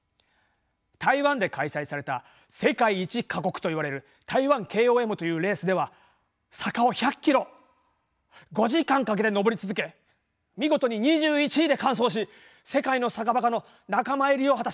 台湾で開催された世界一過酷といわれる台湾ＫＯＭというレースでは坂を１００キロ５時間かけて上り続け見事に２１位で完走し世界の坂バカの仲間入りを果たしました。